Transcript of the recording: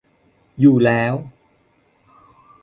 อยู่แล้ว